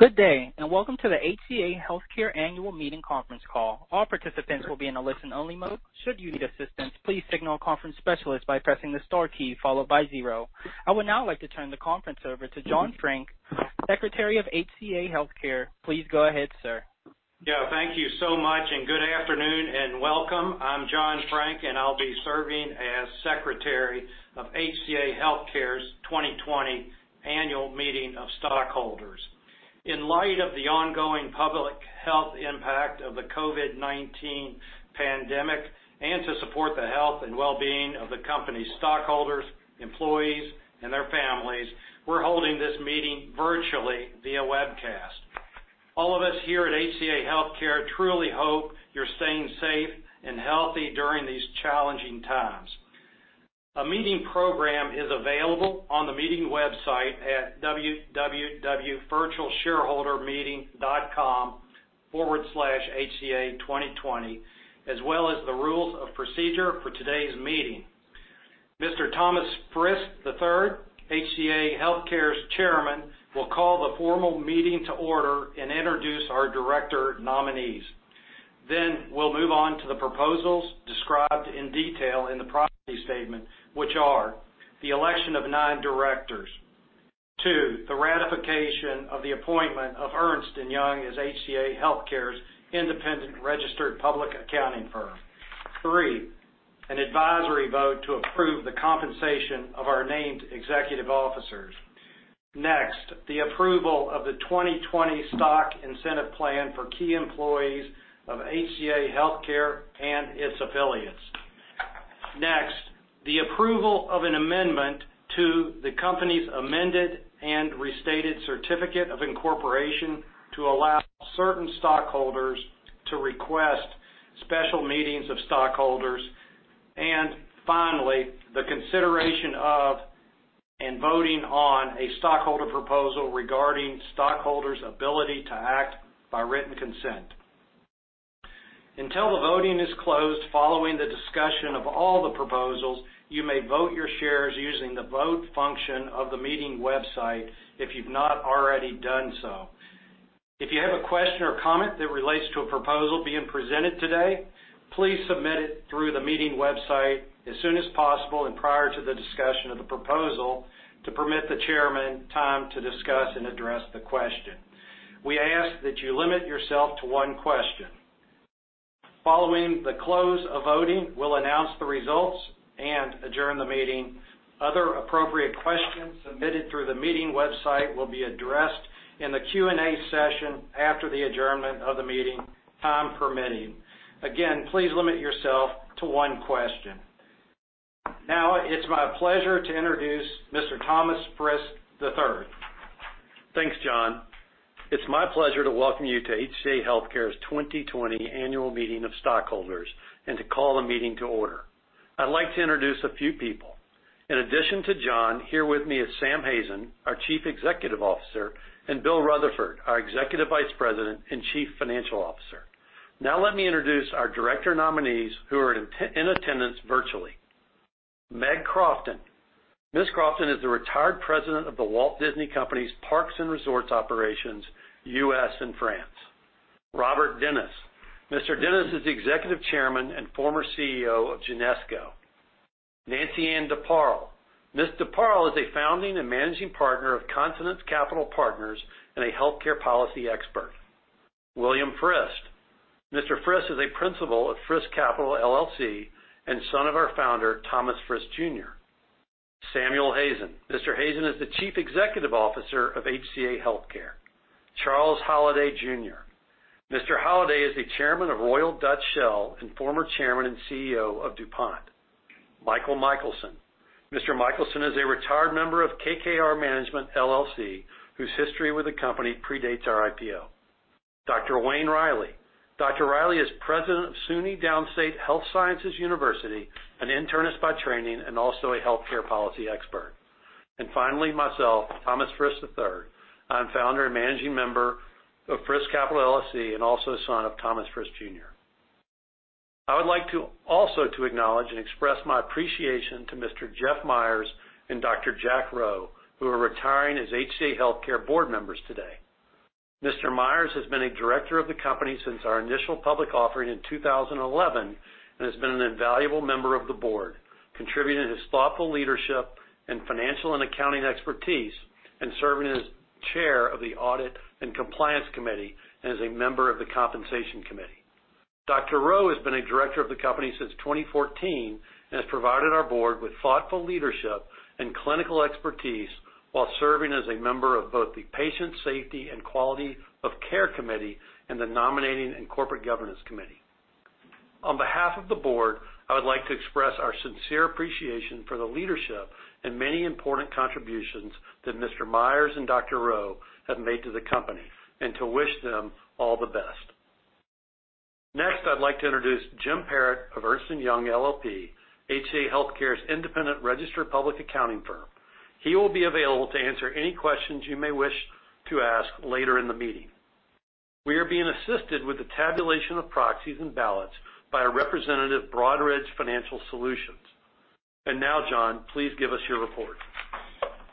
Good day, welcome to the HCA Healthcare annual meeting conference call. All participants will be in a listen-only mode. Should you need assistance, please signal a conference specialist by pressing the star key, followed by zero. I would now like to turn the conference over to John Franck, Secretary of HCA Healthcare. Please go ahead, sir. Yeah. Thank you so much, and good afternoon, and welcome. I'm John Franck, and I'll be serving as Secretary of HCA Healthcare's 2020 Annual Meeting of Stockholders. In light of the ongoing public health impact of the COVID-19 pandemic, and to support the health and wellbeing of the company's stockholders, employees, and their families, we're holding this meeting virtually via webcast. All of us here at HCA Healthcare truly hope you're staying safe and healthy during these challenging times. A meeting program is available on the meeting website at www.virtualshareholdermeeting.com/HCA2020, as well as the rules of procedure for today's meeting. Mr. Thomas Frist III, HCA Healthcare's Chairman, will call the formal meeting to order and introduce our director nominees. We'll move on to the proposals described in detail in the proxy statement, which are the election of nine directors. Two, the ratification of the appointment of Ernst & Young as HCA Healthcare's independent registered public accounting firm. Three, an advisory vote to approve the compensation of our named executive officers. Next, the approval of the 2020 Stock Incentive Plan for key employees of HCA Healthcare and its affiliates. Next, the approval of an amendment to the company's amended and restated certificate of incorporation to allow certain stockholders to request special meetings of stockholders. Finally, the consideration of, and voting on, a stockholder proposal regarding stockholders' ability to act by written consent. Until the voting is closed following the discussion of all the proposals, you may vote your shares using the vote function of the meeting website if you've not already done so. If you have a question or comment that relates to a proposal being presented today, please submit it through the meeting website as soon as possible and prior to the discussion of the proposal to permit the chairman time to discuss and address the question. We ask that you limit yourself to one question. Following the close of voting, we'll announce the results and adjourn the meeting. Other appropriate questions submitted through the meeting website will be addressed in the Q&A session after the adjournment of the meeting, time permitting. Again, please limit yourself to one question. It's my pleasure to introduce Mr. Thomas Frist III. Thanks, John. It's my pleasure to welcome you to HCA Healthcare's 2020 Annual Meeting of Stockholders and to call the meeting to order. I'd like to introduce a few people. In addition to John, here with me is Sam Hazen, our Chief Executive Officer, and Bill Rutherford, our Executive Vice President and Chief Financial Officer. Now let me introduce our director nominees who are in attendance virtually. Meg Crofton. Ms. Crofton is the retired President of The Walt Disney Company's Parks and Resorts Operations, U.S. and France. Robert Dennis. Mr. Dennis is Executive Chairman and former CEO of Genesco. Nancy-Ann DeParle. Ms. DeParle is a founding and Managing Partner of Consonance Capital Partners and a healthcare policy expert. William Frist. Mr. Frist is a Principal at Frist Capital LLC and son of our founder, Thomas Frist Jr. Samuel Hazen. Mr. Hazen is the Chief Executive Officer of HCA Healthcare. Charles Holliday Jr. Mr. Holliday is the Chairman of Royal Dutch Shell and former Chairman and CEO of DuPont. Michael Michaelson. Mr. Michaelson is a retired member of KKR Management LLC, whose history with the company predates our IPO. Dr. Wayne Riley. Dr. Riley is President of SUNY Downstate Health Sciences University, an internist by training, and also a healthcare policy expert. Finally, myself, Thomas Frist III. I'm founder and managing member of Frist Capital, LLC and also son of Thomas Frist Jr. I would like to also to acknowledge and express my appreciation to Mr. Jeff Meyers and Dr. Jack Rowe, who are retiring as HCA Healthcare board members today. Mr. Meyers has been a director of the company since our initial public offering in 2011 and has been an invaluable member of the board, contributing his thoughtful leadership and financial and accounting expertise, and serving as Chair of the Audit and Compliance Committee and as a member of the Compensation Committee. Dr. Rowe has been a director of the company since 2014 and has provided our board with thoughtful leadership and clinical expertise while serving as a member of both the Patient Safety and Quality of Care Committee and the Nominating and Corporate Governance Committee. On behalf of the board, I would like to express our sincere appreciation for the leadership and many important contributions that Mr. Meyers and Dr. Rowe have made to the company, and to wish them all the best. Next, I'd like to introduce Jim Parrott of Ernst & Young LLP, HCA Healthcare's independent registered public accounting firm. He will be available to answer any questions you may wish to ask later in the meeting. We are being assisted with the tabulation of proxies and ballots by a representative of Broadridge Financial Solutions. Now, John, please give us your report.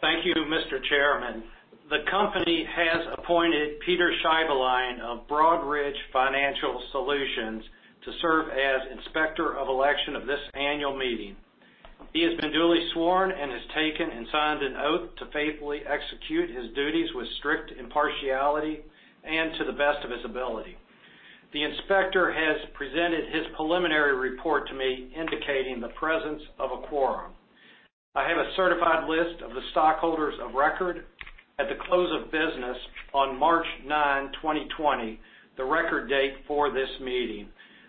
Thank you, Mr. Chairman. The company has appointed Peter Scheibelein of Broadridge Financial Solutions to serve as Inspector of Election of this annual meeting. He has been duly sworn and has taken and signed an oath to faithfully execute his duties with strict impartiality and to the best of his ability. The inspector has presented his preliminary report to me, indicating the presence of a quorum. I have a certified list of the stockholders of record at the close of business on March 9, 2020, the record date for this meeting.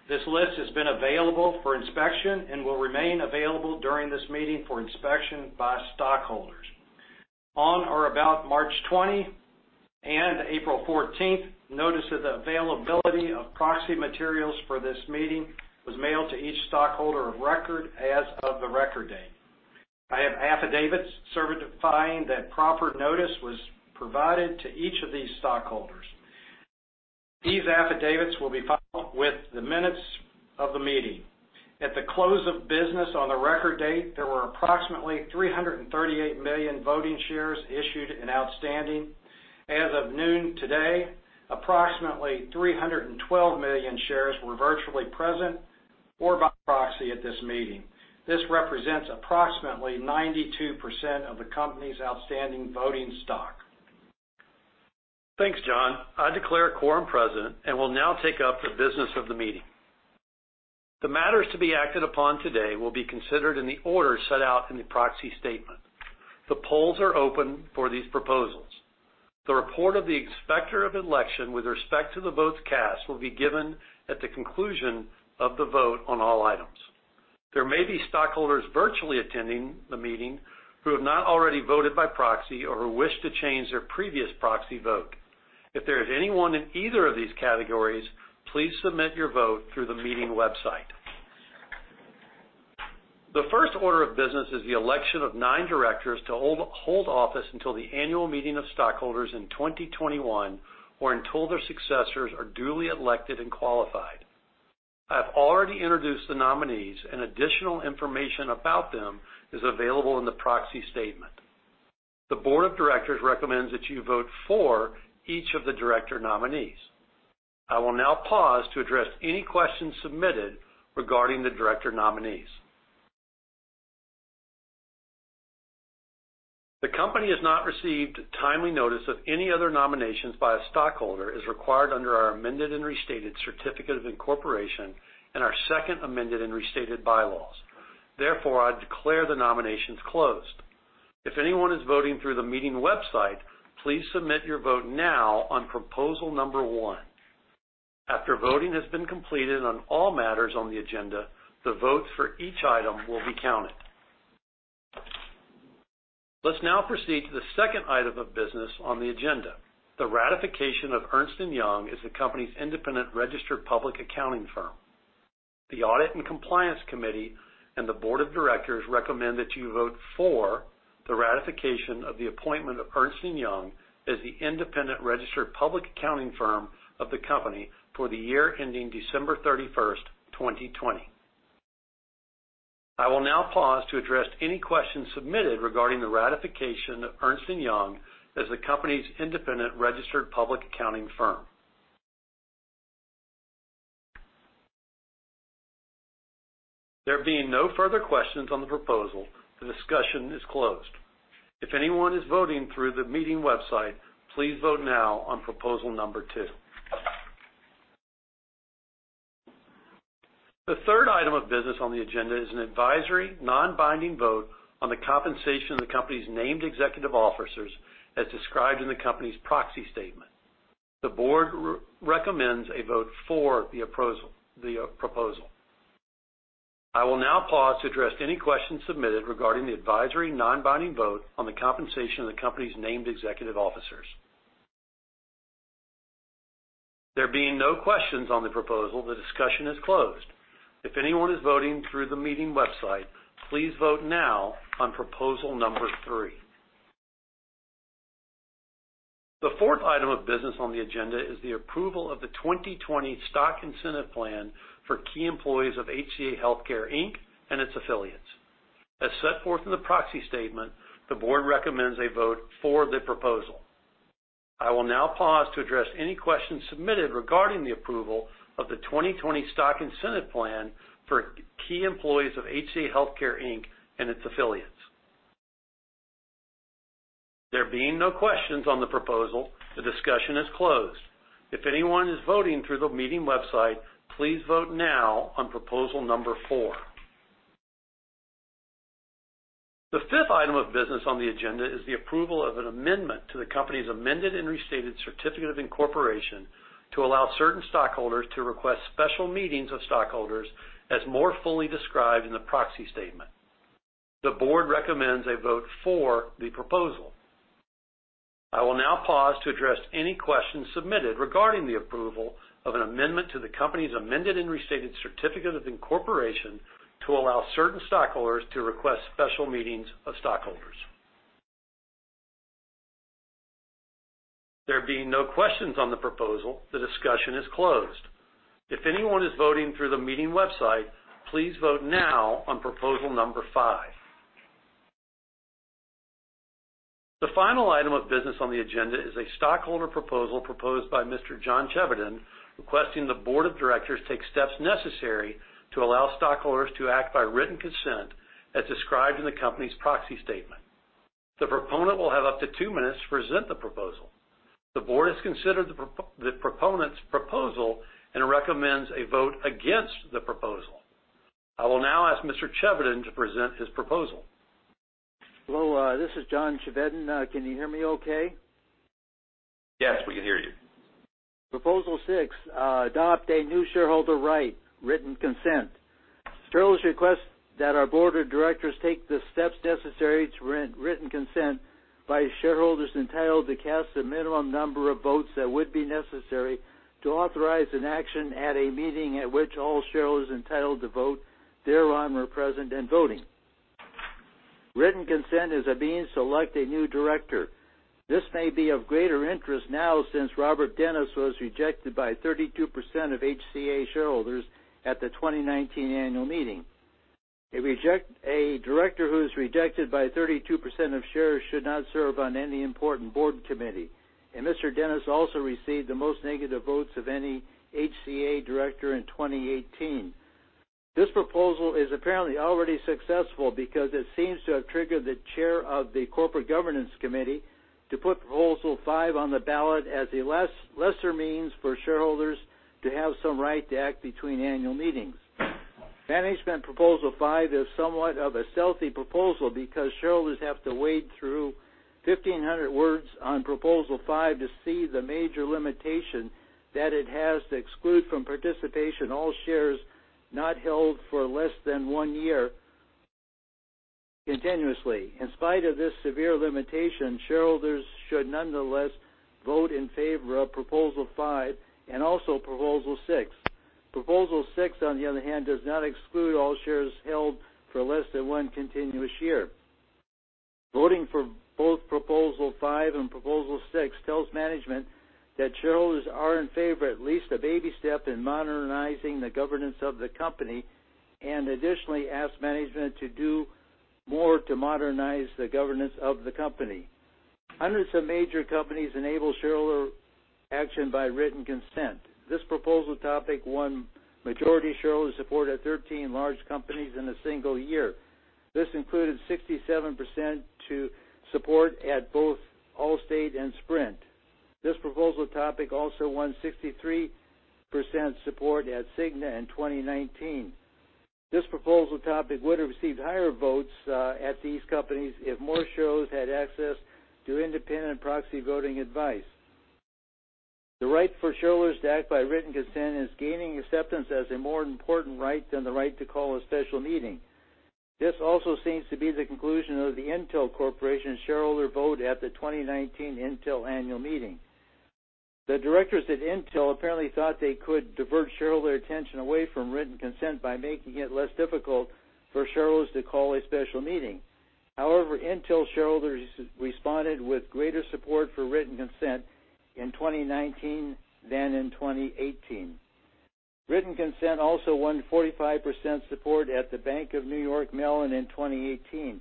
This list has been available for inspection and will remain available during this meeting for inspection by stockholders. On or about March 20 and April 14th, notice of the availability of proxy materials for this meeting was mailed to each stockholder of record as of the record date. I have affidavits certifying that proper notice was provided to each of these stockholders. These affidavits will be filed with the minutes of the meeting. At the close of business on the record date, there were approximately 338 million voting shares issued and outstanding. As of noon today, approximately 312 million shares were virtually present or by proxy at this meeting. This represents approximately 92% of the company's outstanding voting stock. Thanks, John. I declare a quorum present and will now take up the business of the meeting. The matters to be acted upon today will be considered in the order set out in the proxy statement. The polls are open for these proposals. The report of the inspector of election with respect to the votes cast will be given at the conclusion of the vote on all items. There may be stockholders virtually attending the meeting who have not already voted by proxy or who wish to change their previous proxy vote. If there is anyone in either of these categories, please submit your vote through the meeting website. The first order of business is the election of nine directors to hold office until the annual meeting of stockholders in 2021, or until their successors are duly elected and qualified. I have already introduced the nominees, and additional information about them is available in the proxy statement. The board of directors recommends that you vote for each of the director nominees. I will now pause to address any questions submitted regarding the director nominees. The company has not received timely notice of any other nominations by a stockholder as required under our amended and restated certificate of incorporation and our second amended and restated bylaws. I declare the nominations closed. If anyone is voting through the meeting website, please submit your vote now on proposal number one. After voting has been completed on all matters on the agenda, the votes for each item will be counted. Let's now proceed to the second item of business on the agenda, the ratification of Ernst & Young as the company's independent registered public accounting firm. The Audit and Compliance Committee and the board of directors recommend that you vote for the ratification of the appointment of Ernst & Young as the independent registered public accounting firm of the company for the year ending December 31st, 2020. I will now pause to address any questions submitted regarding the ratification of Ernst & Young as the company's independent registered public accounting firm. There being no further questions on the proposal, the discussion is closed. If anyone is voting through the meeting website, please vote now on proposal number two. The third item of business on the agenda is an advisory, non-binding vote on the compensation of the company's named executive officers as described in the company's proxy statement. The board recommends a vote for the proposal. I will now pause to address any questions submitted regarding the advisory non-binding vote on the compensation of the company's named executive officers. There being no questions on the proposal, the discussion is closed. If anyone is voting through the meeting website, please vote now on proposal number three. The fourth item of business on the agenda is the approval of the 2020 stock incentive plan for key employees of HCA Healthcare, Inc. and its affiliates. As set forth in the proxy statement, the board recommends a vote for the proposal. I will now pause to address any questions submitted regarding the approval of the 2020 stock incentive plan for key employees of HCA Healthcare, Inc. and its affiliates. There being no questions on the proposal, the discussion is closed. If anyone is voting through the meeting website, please vote now on proposal number four. The fifth item of business on the agenda is the approval of an amendment to the company's amended and restated certificate of incorporation to allow certain stockholders to request special meetings of stockholders as more fully described in the proxy statement. The board recommends a vote for the proposal. I will now pause to address any questions submitted regarding the approval of an amendment to the company's amended and restated certificate of incorporation to allow certain stockholders to request special meetings of stockholders. There being no questions on the proposal, the discussion is closed. If anyone is voting through the meeting website, please vote now on proposal number five. The final item of business on the agenda is a stockholder proposal proposed by Mr. John Chevedden, requesting the board of directors take steps necessary to allow stockholders to act by written consent as described in the company's proxy statement. The proponent will have up to two minutes to present the proposal. The board has considered the proponent's proposal and recommends a vote against the proposal. I will now ask Mr. Chevedden to present his proposal. Hello, this is John Chevedden. Can you hear me okay? Yes, we can hear you. Proposal six, adopt a new shareholder right, written consent. Shareholders request that our board of directors take the steps necessary to grant written consent by shareholders entitled to cast the minimum number of votes that would be necessary to authorize an action at a meeting at which all shareholders entitled to vote thereon were present and voting. Written consent is a means to elect a new director. This may be of greater interest now since Robert Dennis was rejected by 32% of HCA shareholders at the 2019 annual meeting. A director who is rejected by 32% of shares should not serve on any important board committee. Mr. Dennis also received the most negative votes of any HCA director in 2018. This proposal is apparently already successful because it seems to have triggered the chair of the Corporate Governance Committee to put proposal five on the ballot as a lesser means for shareholders to have some right to act between annual meetings. Management proposal five is somewhat of a stealthy proposal because shareholders have to wade through 1,500 words on proposal five to see the major limitation that it has to exclude from participation all shares not held for less than one year continuously. In spite of this severe limitation, shareholders should nonetheless vote in favor of proposal five and also proposal six. Proposal six, on the other hand, does not exclude all shares held for less than one continuous year. Voting for both proposal five and proposal six tells management that shareholders are in favor of at least a baby step in modernizing the governance of the company, and additionally asks management to do more to modernize the governance of the company. Hundreds of major companies enable shareholder action by written consent. This proposal topic won majority shareholder support at 13 large companies in a single year. This included 67% to support at both Allstate and Sprint. This proposal topic also won 63% support at Cigna in 2019. This proposal topic would have received higher votes at these companies if more shareholders had access to independent proxy voting advice. The right for shareholders to act by written consent is gaining acceptance as a more important right than the right to call a special meeting. This also seems to be the conclusion of the Intel Corporation shareholder vote at the 2019 Intel annual meeting. The directors at Intel apparently thought they could divert shareholder attention away from written consent by making it less difficult for shareholders to call a special meeting. However, Intel shareholders responded with greater support for written consent in 2019 than in 2018. Written consent also won 45% support at the Bank of New York Mellon in 2018.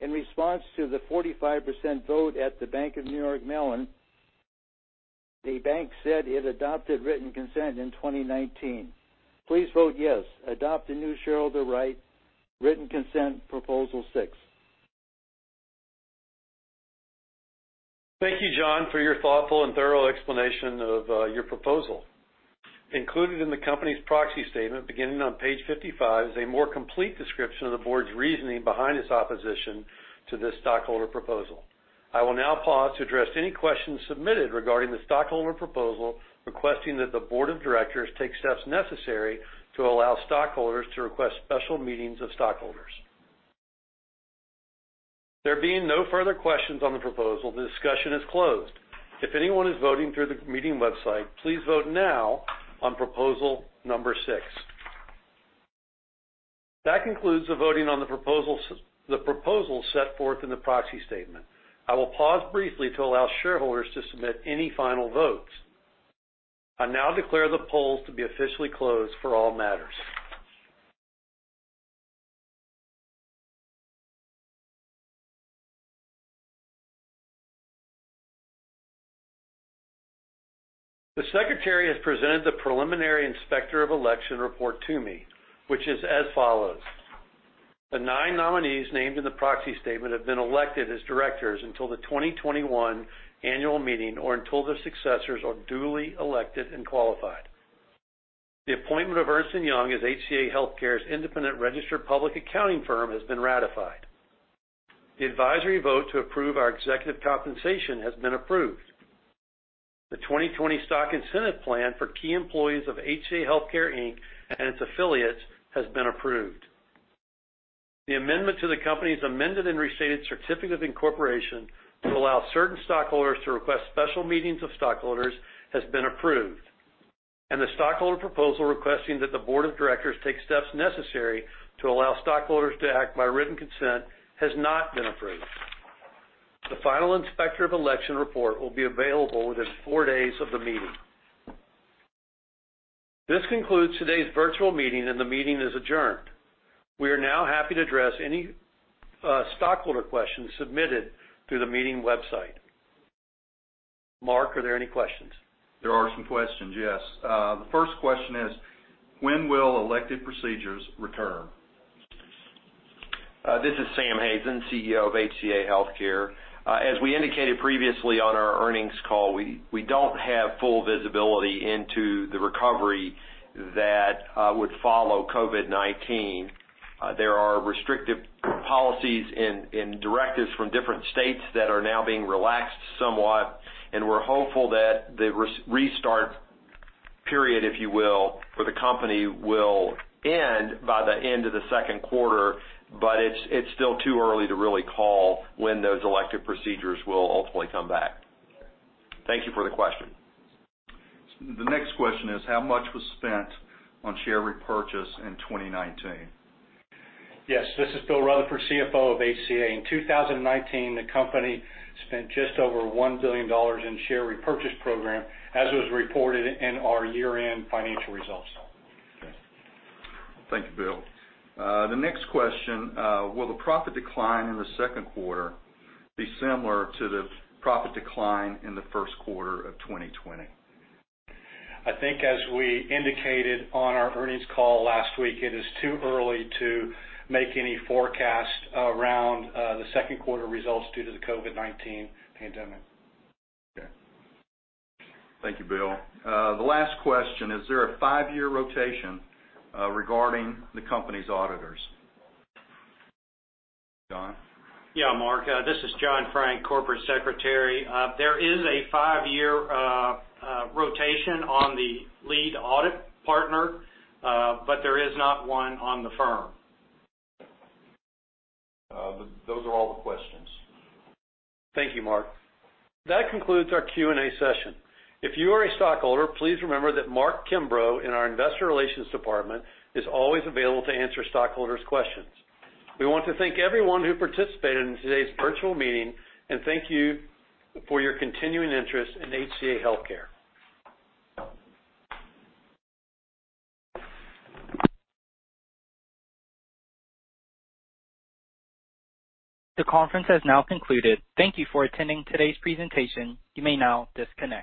In response to the 45% vote at the Bank of New York Mellon, the bank said it adopted written consent in 2019. Please vote yes. Adopt a new shareholder right, written consent, proposal six. Thank you, John, for your thoughtful and thorough explanation of your proposal. Included in the company's proxy statement, beginning on page 55, is a more complete description of the Board's reasoning behind its opposition to this stockholder proposal. I will now pause to address any questions submitted regarding the stockholder proposal, requesting that the Board of Directors take steps necessary to allow stockholders to request special meetings of stockholders. There being no further questions on the proposal, the discussion is closed. If anyone is voting through the meeting website, please vote now on proposal number six. That concludes the voting on the proposals set forth in the proxy statement. I will pause briefly to allow stockholders to submit any final votes. I now declare the polls to be officially closed for all matters. The secretary has presented the preliminary inspector of election report to me, which is as follows. The nine nominees named in the proxy statement have been elected as directors until the 2021 annual meeting or until their successors are duly elected and qualified. The appointment of Ernst & Young as HCA Healthcare's independent registered public accounting firm has been ratified. The advisory vote to approve our executive compensation has been approved. The 2020 stock incentive plan for key employees of HCA Healthcare, Inc. and its affiliates has been approved. The amendment to the company's amended and restated certificate of incorporation to allow certain stockholders to request special meetings of stockholders has been approved. The stockholder proposal requesting that the board of directors take steps necessary to allow stockholders to act by written consent has not been approved. The final inspector of election report will be available within four days of the meeting. This concludes today's virtual meeting. The meeting is adjourned. We are now happy to address any stockholder questions submitted through the meeting website. Mark, are there any questions? There are some questions, yes. The first question is, when will elective procedures return? This is Sam Hazen, CEO of HCA Healthcare. As we indicated previously on our earnings call, we don't have full visibility into the recovery that would follow COVID-19. There are restrictive policies and directives from different states that are now being relaxed somewhat. We're hopeful that the restart period, if you will, for the company will end by the end of the second quarter. It's still too early to really call when those elective procedures will ultimately come back. Thank you for the question. The next question is, how much was spent on share repurchase in 2019? Yes, this is Bill Rutherford, CFO of HCA. In 2019, the company spent just over $1 billion in share repurchase program, as was reported in our year-end financial results. Okay. Thank you, Bill. The next question, will the profit decline in the second quarter be similar to the profit decline in the first quarter of 2020? I think as we indicated on our earnings call last week, it is too early to make any forecast around the second quarter results due to the COVID-19 pandemic. Okay. Thank you, Bill. The last question, is there a five-year rotation regarding the company's auditors? John? Yeah, Mark. This is John Franck, Corporate Secretary. There is a five-year rotation on the lead audit partner, but there is not one on the firm. Those are all the questions. Thank you, Mark. That concludes our Q&A session. If you are a stockholder, please remember that Mark Kimbrough, in our investor relations department, is always available to answer stockholders' questions. We want to thank everyone who participated in today's virtual meeting, and thank you for your continuing interest in HCA Healthcare. The conference has now concluded. Thank you for attending today's presentation. You may now disconnect.